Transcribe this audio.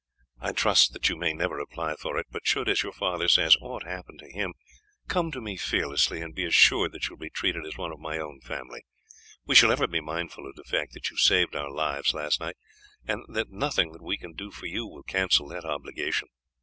"I trust that you may never apply for it; but should, as your father says, aught happen to him, come to me fearlessly, and be assured that you will be treated as one of my own family. We shall ever be mindful of the fact that you saved our lives last night, and that nothing that we can do for you will cancel that obligation."